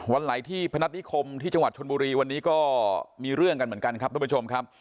วันไหลที่พนัฐนิคมที่จังหวัดชนบุรีวันนี้ก็มีเรื่องกันเหมือนกันครับทุกผู้ชมครับ